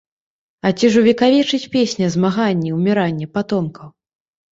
А ці ж увекавечыць песня змаганне і ўміранне патомкаў?